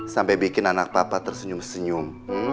sampai bikin anak papa tersenyum senyum